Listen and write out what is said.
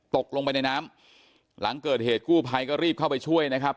ตกลงไปในน้ำหลังเกิดเหตุกู้ภัยก็รีบเข้าไปช่วยนะครับ